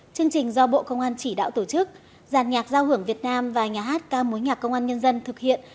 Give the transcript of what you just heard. chương trình do bộ công an chỉ đạo tổ chức giàn nhạc giao hưởng việt nam và nhà hát ca mối nhạc công an nhân dân thực hiện